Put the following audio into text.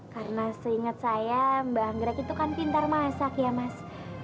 karena seinget saya mba anggrek itu kan pintar masak ya mas